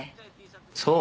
そう？